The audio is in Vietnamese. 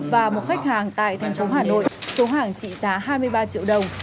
và một khách hàng tại thành phố hà nội số hàng trị giá hai mươi ba triệu đồng